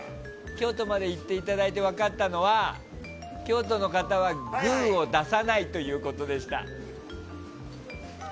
今回京都まで行ってもらって分かったのは京都の方はグーを出さないということでした。